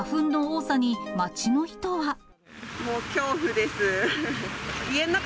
もう恐怖です。